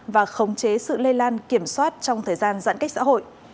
và khống chế sự lây lan kiểm soát trong thời gian giãn cách xã hội